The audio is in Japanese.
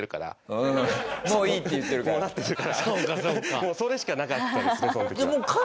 もうそれしかなかったですね